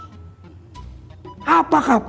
apakah perbedaan kita berubah baru